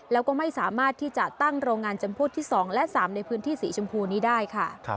แล้วก็ไม่สามารถที่จะตั้งโรงงานจำพูดที่๒และ๓ในพื้นที่สีชมพูนี้ได้ค่ะ